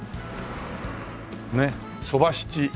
ねっ「そば七」。